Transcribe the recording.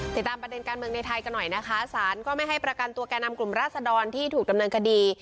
ติดตามประเด็นการเมืองในไทยกันหน่อยนะคะสารก็ไม่ให้ประกันตัวแก่นำกลุ่มราศดรที่ถูกดำเนินคดี